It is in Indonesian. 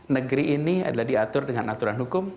negeri ini adalah diatur dengan aturan hukum